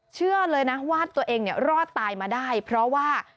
เชื่อเลยนะว่าตัวเองรอดตายมาได้เพราะว่า